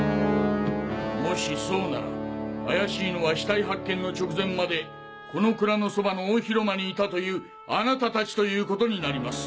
もしそうなら怪しいのは死体発見の直前までこの蔵のそばの大広間にいたというあなた達ということになります。